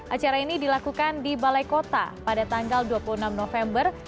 acara ini dilakukan di balai kota pada tanggal dua puluh enam november